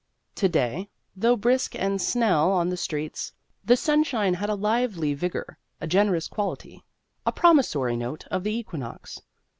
To day, though brisk and snell on the streets, the sunshine had a lively vigour, a generous quality, a promissory note of the equinox.